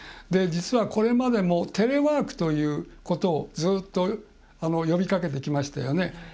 実は、これまでもテレワークということをずっと呼びかけてきましたよね。